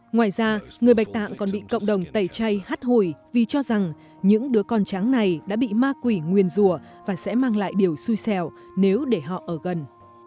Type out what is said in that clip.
ngoài ra người bạch tạng còn bị cộng đồng tẩy chay hát hồi vì cho rằng những đứa con tráng này đã bị ma quỷ nguyên rùa và sẽ mang lại điều xui xẻo nếu để họ ở gần